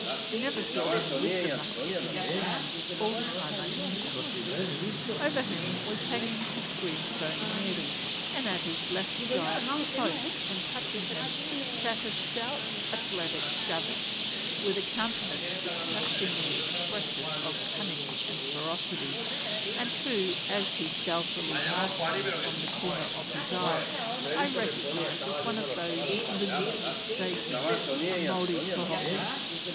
(I never saw him with the musket in his hand all the time I knew him.) Over him was hanging his greenstone mere, and at his left side, close, and touching him, sat a stout, athletic savage, with a countenance disgustingly expressive of cunning and ferocity; and who, as he stealthily marked me from the corner of his eye, I recognized as one of those limbs of Satan, a Maori tohunga.